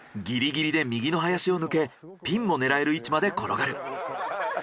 ギリギリで右の林を抜けピンも狙える位置まで転がる。